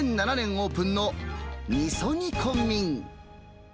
オープンの味噌煮込罠。